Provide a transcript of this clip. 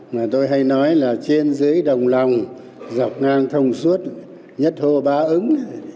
mà tôi hay nói là trên dưới đồng lòng dọc ngang thông suốt nhất hô ba ứng